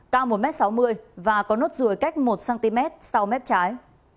cao một m sáu mươi và có nốt ruồi cách một cm sau mép trái